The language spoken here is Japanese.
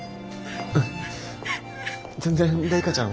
うん全然玲香ちゃん